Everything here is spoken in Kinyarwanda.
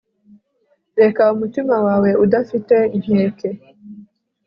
reka umutima wawe udafite inkeke